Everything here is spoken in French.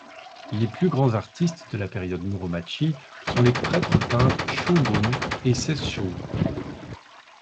Les plus grands artistes de la période Muromachi sont les prêtres-peintres Shūbun et Sesshū.